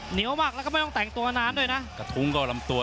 เหนียวมากแล้วก็ไม่ต้องแต่งตัวนานด้วยนะกระทุ้งก็ลำตัว